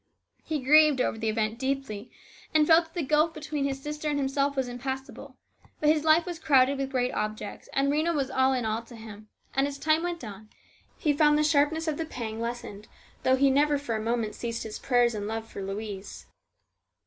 He grieved over the event deeply, and felt that the gulf between his sister and himself was impassable, but his life was crowded with great objects, and Rhena was all in all to him, and as time went on he found the sharpness of this pang lessened, though he never for a moment ceased his prayers and love for Louise.